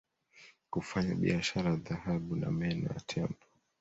kufanya biashara ya dhahabu na meno ya tembo